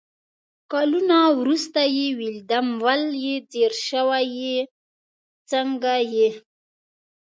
کالونه ورورسته يې ويلدم ول يې ځير شوي يې ، څنګه يې ؟